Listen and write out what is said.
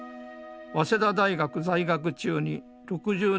早稲田大学在学中に６０年安保を経験。